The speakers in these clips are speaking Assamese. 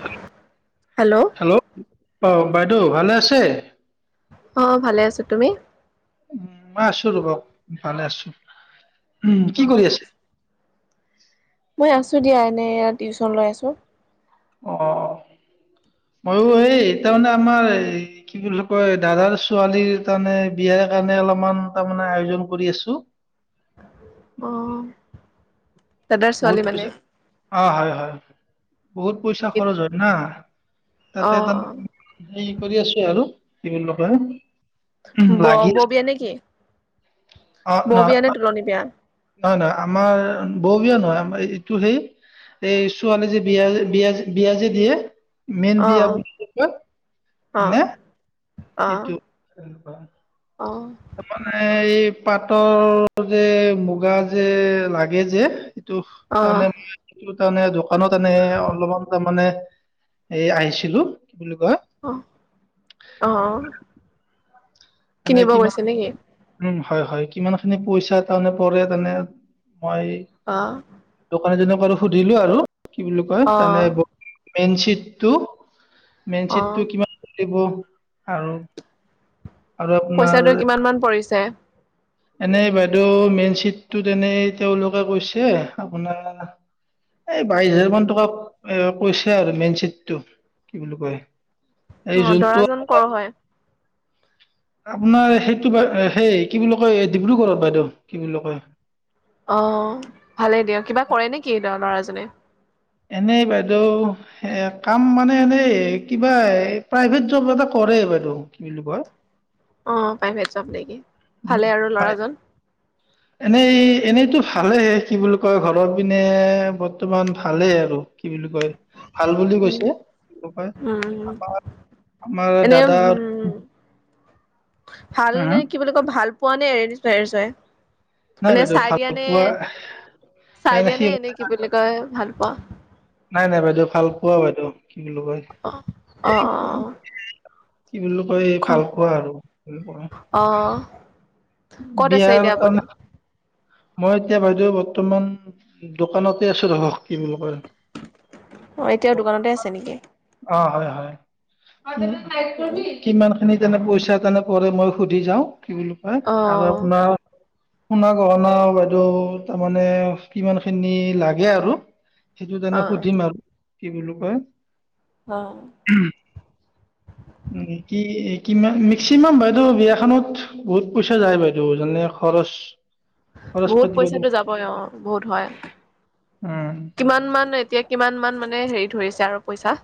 হয়। হেল্ল' অ বাইদেউ ভালে আছে। অ ভালে আছো তুমি। উম মই আছো ৰ'বা ভালে আছো। উম অ কি কৰি আছে। মই আছো দিয়া এনে এ টিউশচন লৈ আছো অ মইও এই তাৰমানে আমাৰ কি বুলি কয় দাদাৰ ছোৱালীৰ তাৰমানে বিয়াৰ কাৰণে অলপমান তাৰমানে আয়োজন কৰি আছো। অ দাদাৰ বহুত ছোৱালী মানে পইচা অ হয় হয়। বহুত পইচা খৰচ হয় না অ তাতে অ তাৰ হে কৰি আছো আৰু। কি [unintelligible] উম, লাগি ব আছো বিয়া নেকি? অ ন নাই নাই আমাৰ বহ। নহয় আমাৰ এইটো সেই এই ছোৱালী যে বিয়া বিয়া বিয়া যে দিয়ে। মেইন অ বিয়া বুলি যে কয় অ নে অ সেইটো। তাৰ মানে এই। পাতৰ যে মুগা যে লাগে যে। টো অ অ মানে মই সেইটো। তানে [inaudible] কানত এনে অলপমান তাৰ মানে। এ আহিছিলো কি বুলি কয়। আহ আহ। মানে কিনিব কিমান গৈছে নেকি? উম হয় হয় কিমান খিনি পইচা তাৰমানে পৰে তানে। অহ [unintelligible] জনক আৰু সুধিলো আৰু। কি বুলি কয় অ তানে। মেইন চিটটো। মেন অ চিটটো কিমান? দিব আৰু। আৰু আপোনাৰ পইচাটো কিমান মান পৰিছে? ছে এনেই বাইদেউ মেন চিটটোত এনেই তেওঁলোকে কৈছে, আপোনাৰ এই বাইশ হাজাৰ মান টকা এ কৈছে আৰু মেন চিটটো কি বুলি কয়। এই অ যোনটো দৰাজন কৰ হয়? আপোনাৰ সেইটো সেই কি বুলি কয় ডিব্ৰুগড়ত বাইদেউ কি বুলি কয়। অ ভালেই দিয়া, কিবা কৰে নেকি? [unintelligible] ল'ৰাজনে। এনেই বাইদেউ এ কাম মানে এনেই কিবা প্ৰাইভেট জব এটা কৰে বাইদেউ, কি বুলি কয়। অ প্ৰাইভেট জব নেকি ভালে আৰু পাই ল'ৰাজন। এনেই এনেইতো ভালেই কি বুলি কয় ঘৰৰ পিনে বৰ্তমান ভালেই আৰু কি বুলি কয়। ভাল বুলি উম কৈছে, উম আমাৰ আমাৰ এনে দাদা। উম ভাল হা হা নে কি বুলি কয় ভাল। পোৱা নে? এৰেঞ্জ মেৰেজ হয়? নাই মানে বাইদেউ চাই ভাল দিয়া নে পোৱা নাই চাই নাই সি- দিয়ানে এনেই কি বুলি কয় ভাল পোৱা? ভালপোৱা বাইদেউ কি বুলি কয় অ অ অ অ কি বোলো কয় ভালপোৱা আৰু কি বুলি কয় অ ক'ত আছে, বিয়াৰ এতিয়া আপুনি কাৰণে মই এতিয়া বাইদেউ বৰ্তমান দোকানতে আছো ধৰক। অ এতিয়া দোকান- দোকানতে আছে নেকি। অ হয় হয় উম কিমান খিনি যেনে পইচা তেনে পৰে মই সুধি যাওঁ। কি বুলি কয় অ আৰু আপোনাৰ সোণা গহ অ বাইদেউ তাৰমানে কিমান খিনি লাগে আৰু সেইটো অ মানে সুধিম আৰু কি বোলো কয় অ কি কি মিক্সিমাম বাইদেউ বিয়াখনত বহুত পইচা যায় বাইদেউ যেনেনে খৰচ খৰচ বহুত পাতি বাইদেউ পইচাটো যাব অ বহুত হয় উম, কিমান মান এতিয়া কিমান মান মানে হেৰি ধৰিছে আৰু পইচা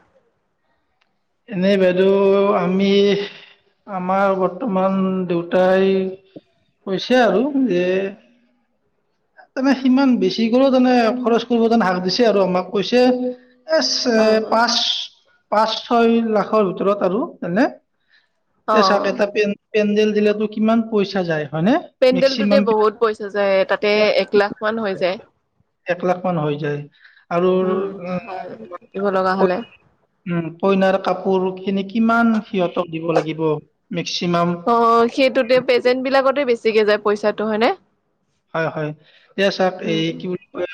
এনে বাইদেউ আমি আমাৰ বৰ্তমান দেউতাই কৈছে আৰু যে তেনে সিমান বেছি গলেও মানে খৰচ কৰিবানে হাক দিছে আৰু আমাক কৈছে এ চে অ পাঁচ পাঁচ ছয় লাখৰ ভিতৰত আৰু এনে। অ তে চাকেতাপিন। পেনডেল দিলেটো কিমান পইচা যায়। হয়নে? পেণ্ডেলটোতে মেক্সিমাম বহুত পইচা যায়। তে এক লাখমান হৈ যায়। এক লাখ মান হৈ যায়। আৰু উম ভাল দিব লগা হলে। কইনাৰ কাপোৰ খিনি কিমান সিহতক দিব লাগিব মেক্সিমাম অ সেইটোতে পেজেন্ট বিলাকতে বেছিকে যায় পইচাটো হয়নে। হয় হয় এতিয়া চওক এই উম কি বুলি কয়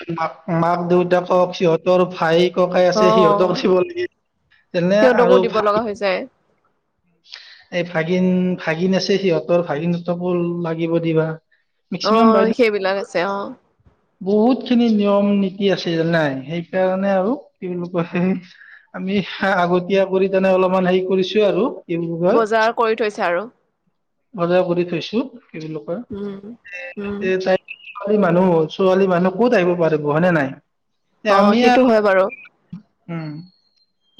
মাক দেউতাকক সিহঁতৰ ভাইক ককাই অ আছে সিহঁতক দিব লাগিল তেনে সিহঁতকো আৰু ভ দিব লগা হৈ যায় এই ভাগিন ভাগিন আছে সিহঁতৰ ভাগিনতকো লাগিব দিবা। মেক্সিমাম বাইদেউ অই সেইবিলাক আছে অঁ বহুত খিনি নিয়ম নীতি আছেলে নাই, সেইকাৰণে আৰু কি বুলি কয়, আমি আগতীয়া কৰি কেনে অলপমান হেৰি কৰিছোঁ আৰু। কি বুলি কয় বজাৰ কৰি থৈছে আৰু। বজাৰ কৰি থৈছোঁ। কি নকৰা, উম উম এই তাই [unintelligible] ছোৱালী মানুহ ক'ত আহিব পাৰিব হয়নে নাই। এ অঁ আমি সেইটো আৰু হয় বাৰু। উম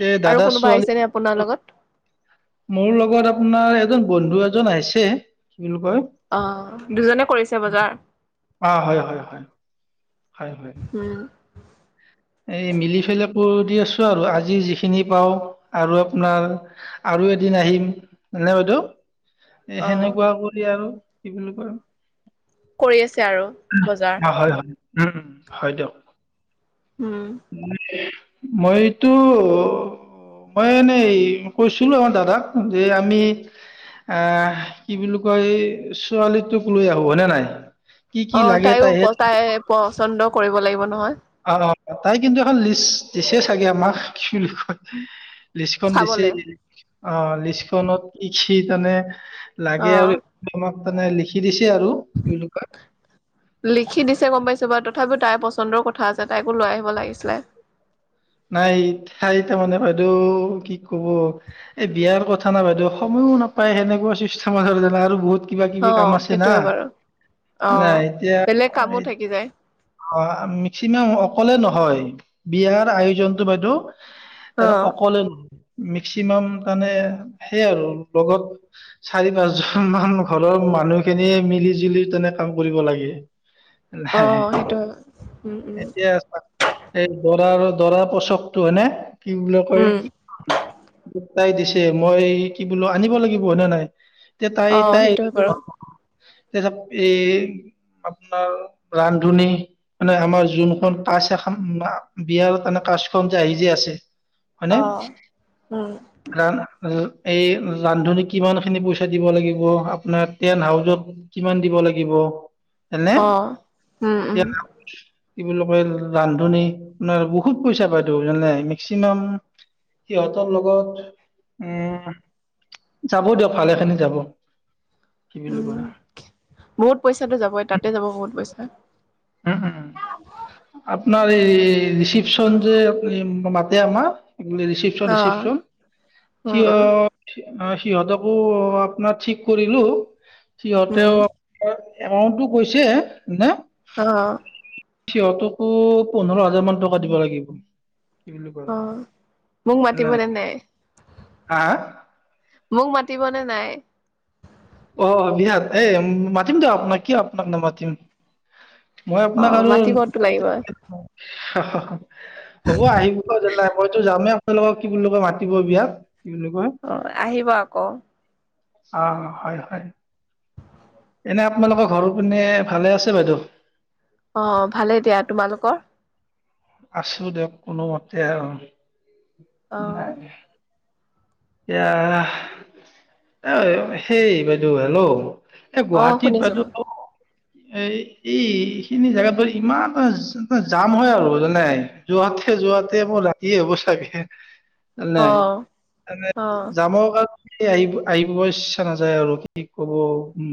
এ আৰু দাদা কোনোবা ছোৱালী আহিছে নে আপোনাৰ লগত? মোৰ লগত আপোনাৰ এজন বন্ধু এজন আহিছে বুলি কয় অঁ দুজনে কৰিছে বজাৰ। অ হয় হয় হয় হয় হয় উম এই মিলি ফেলাই কৰি দি আছো আৰু আজি যিখিনি পাওঁ আৰু আপোনাৰ আৰু এদিন আহিম, হয় নে বাইদেউ? এ অ সেনেকুৱা কৰি আৰু। কি বুলি কয় কৰি আছে আৰু, বজাৰ। অ হয় হয় উম, হয় দিয়ক উম [unintelligible] মইটো, মই এনেই, কৈছিলো আও দাদাক যে আমি আহ, কি বুলি কয় ছোৱালীটোক লৈ আহো হয়নে নাই? কি কি অঁ লাগে তাইও তাইহে প তাই এ পচন্দ কৰিব লাগিব নহয়। অ অ তাই কিন্তু এখন লিষ্ট দিছে চাগে আমাক, কি বুলি কয়? লিষ্টখন দিলেই, চাবলে লিষ্টখনত কি [inaudible] [inaudible] অ লাগে আৰু [inaudible] মানে লিখি দিছি লিখি দিছে গম পাইছো [unintelligible] তথাপিও তাইৰ পচন্দৰ কথা আছে তাইকো লৈ আহিব লাগিছিলে। নাই ঠাই তাৰমানে বাইদেউ, কি ক'ব, এই বিয়াৰ কথা না বাইদেউ সময়ো নাপায় সেনেকুৱা চিষ্টেম [inaudible] আৰু বহুত কিবা অ কিবি কাম আছে না, সেইটোয়ে বাৰু অ তেনেহে, এতিয়া, বেলেগ কামো থাকি যায় অঁ মেক্সিমাম অকলে নহয়। বিয়াৰ আয়ো আয়োজনটো বাইদেউ। অ [inaudible] অকলে [inaudible] মেক্সিমাম তানে সেইয়াই আৰু লগত চাৰি পাঁচজন মান ঘৰৰ মানুহ খিনিয়ে মিলি জুলি তেনে কাম কৰিব লাগে অ নাই সেইটো উম উম এতিয়া এই [inaudible] [inaudible] কচৰতো হয় নে কি বুলি কয় উম তাই দিছে মই কি বোলো আনিব লাগিব হয়নে নাই তে তাই অ তাই সেইটোয়ে বাৰু এই আপোনাৰ ৰান্ধনী মানে আমাৰ যোনখন কাছ এখন বিয়াৰ হলে তেনেকৈ কাজ খন যে আহি যে আছে মানে অ উম উম উম এই ৰান্ধনী কিমান খিনি পইচা দিব লাগিব আপোনাৰ টেন হাউজত কিমান দিব লাগিব এনে অঁ উম উম এতিয়া কি বুলি কয় ৰান্ধনী আপোনাৰ [inaudible] বহুত পইচা পাইতো জানে মেক্সিমাম সিহঁতৰ লগত উম যাব দিয়ক ভালেখিনি যাব কি বুলি উম কয় বহুত পইচাঁটো যাবই তাতে যাব বহুত পইচা উম হম আঁ [inaudible] আপোনাৰ এই ৰিচিপচন যে মাতে আমাৰ ৰিচিপ্যন অ ৰিচিপশ্যন উম সিয় উম [inaudible] অঁ সিহঁতকো আপোনাৰ ঠিক কৰিলো উম সিহঁতেও [inaudible] এমাউণ্টটো কৈছে না অঁ সিহঁতকো পোন্ধৰ হাজাৰ মান টকা দিব লাগিব কি বুলি কয় অঁ মোক মাতিব তেন্তে হাঁ মোক মাতিব নে নাই? অঁ বিয়াত এ মাতিম দিয়ক আপোনাক কিয় আপোনাক নামাতিম অঁ মাতিব টো লাগিব অঁ হ হ'ব আহিব মইতো যামেই তেওলোকক কি বুলি কয় মাতি বিয়াক অঁ আহিব আকৌ অঁ হয় হয় হয় এনে আপোনালোকৰ ঘৰৰ পিনে ভালে আছে বাইদেউ। অ' ভালেই দিয়া তোমালোকৰ? আছো দিয়ক কোনোমতে আৰু। অহ', এয়া সেই বাইদেউ। হেল্ল', অ', শুনিছো ক? এ এইখিনি জেগাত বৰ ইমান এ জাম হয় আৰু। জানাই যোৱাতে-যোৱাতে মোৰ ৰাতিয়ে হ'ব চাগে। অ নাই অ জামৰ কাৰ এই আহিব-আহিব ইচ্ছা নাযায় আৰু কি কব। উম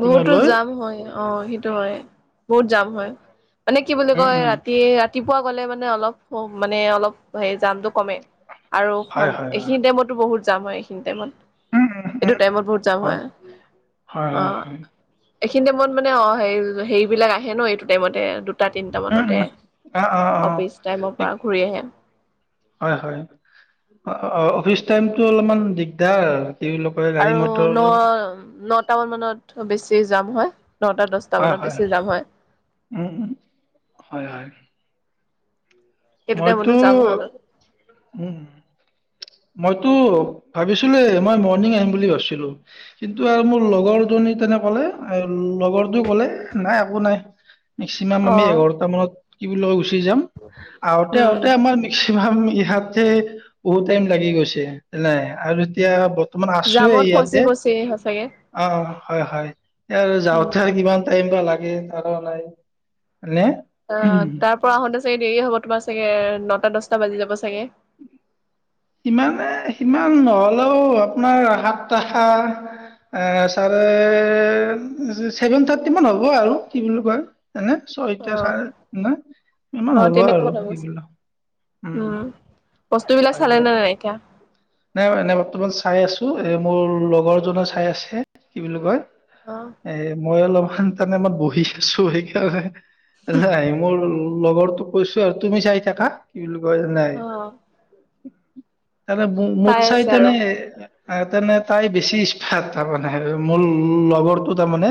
বহুতো যাম হয় অ সি টো হয় বহুত জাম হয়। মানে কি বুলি উম কয় উম ৰাতি-ৰাত ৰাতিপুৱা গ'লে মানে অলপ, মানে অলপ হেৰি জামটো কমে আৰু হয় খন হয় হয় এইখিনি টাইমতো বহুত যাম হয় এইখিনি টাইমত। উম উম এইটো টাইমত বহুত যাম হয়। অ হয়-হয়। এইখিনি টাইমত মানে অ হে হেৰি বিলাক আহে ন এইটো টাইমতে। তিনটা মানতে উম-উম, অ-অ-অ, অফিচ টাইমৰ পৰা ঘূৰি আহে হয়-হয়। অফিচ টাইমতটো অলপমান দিগদাৰ। তেওঁলোকে গাড়ী আৰু মটৰ ন নটা মান মানত বেছি। যাম হয়। হয়-হয়, উম-উম, হয়-হয়। সেইটো টাইমতো মইতো জাম হয় অলপ উম। মইতো ভাবিছিলে মই মৰ্ণিং আহিম বুলি ভাবিছিলো কিন্তু আৰু মোৰ লগৰ জনী তেনে ক'লে লগৰটো কলে নাই একো নাই। মেক্সিমাম অ আমি এঘাৰটা মানত কি বুলিগুচ চিজাম, উম আহোতে-আহোতে উম আমাৰ মেক্সিমাম হাত বহুত টাইম লাগি গৈছে নাই আৰু এতিয়া ব তোমাৰ আছো জামত ফচি ইয়াতে ফচি সঁচাকে অ', হয়-হয় উম যাওঁতে আৰু কিমান টাইম কিবা লাগে আৰু নাই। নে অ' তাৰ পৰা আহোতে চাগে দেৰি হ'ব। তোমাৰ চাগে নটা দছটা বাজি যাব চাগে। সিমানে সিমান নহলেও আপোনাৰ সাত টশ চাৰে চেভেন থাৰ্টি মান হ'ব আৰু কি বুলি কয়। এনে ছয়টা অ চাৰে নে ইমান অ হ'ব আৰু তেনেকুৱা কথা কৈছে এইবিলাক উম। বস্তুবিলাক চালে নে নাই এতিয়া নাই এনে বৰ্তমান মান চাই আ। [unintelligible] আছো এ মোৰ লগৰ জনে চাই আছে কি বুলি কয়। এ মই অলপ। তানে আমই বহি আছো সেইকাৰণে। নাই মোৰ লগৰটো কৈছো আৰু তুমি চাই থাকা কি বুলি। ক নাই অ অ উ [inaudible] তেনে মোত চাই আছে আৰু তেনেে তেনে তাই বেছি সফাত তাৰ মমানে মোৰ লগৰটো তাৰমানে।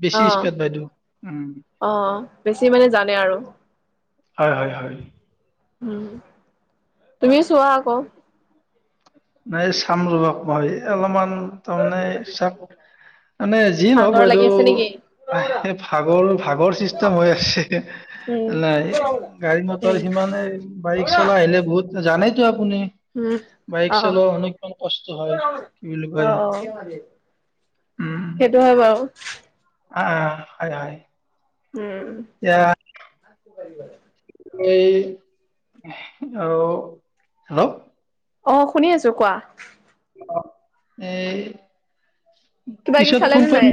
বেছি আহ স্মাৰ্ট বাইদেউ উম আহ বেছি মানে জানে আৰু। হয় হয় হয় উম তুমিও চোৱা আকৌ নাই চাম ৰোলক মই অলপমান তমান চাপ মানে যি নহওক ভাগৰ লাগি বাইদেউ আছে নেকি আহ ভাগৰ, ভাগৰ চিষ্টেম হৈ আছে উম নাই গাড়ী মটৰ উম সিমানে বাইক চলাই আহিলে বহুত। জানেইেত। শনে উম ভাই অ বুলি অ কয় অ সেইটো হয় বাৰু অ হয় হয়। উম। এতিয়া পাৰিব। এই আৰু হেল্লো। অ শুনি আছোঁ কোৱা। এই। কিবা কিবি পিছত ফোন কৰিম।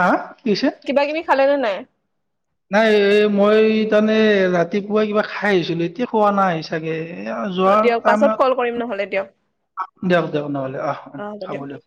আ। কিবা-কিবি খালে নে নাই। নাই এ মই তমানে, ৰাতিপুৱা কিবা খাই আহিছিলো, এতিয়া খোৱা নাই চাগে। এয়া অ যোৱাৰ দিয়ক পাছত টাইমত কল কৰিম নহ'লে দিয়ক দিয়ক দিয়ক নহ'লে আহ আহ হব দিয়ক।